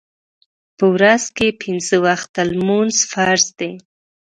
په ورځ کې پینځه وخته لمونځ فرض دی.